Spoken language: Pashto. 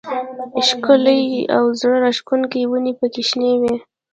ښکلې او زړه راښکونکې ونې پکې شنې وې.